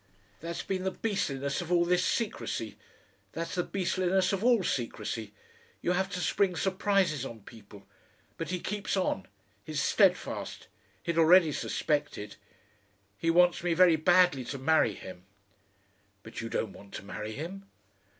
That's been the beastliness of all this secrecy. That's the beastliness of all secrecy. You have to spring surprises on people. But he keeps on. He's steadfast. He'd already suspected. He wants me very badly to marry him...." "But you don't want to marry him?"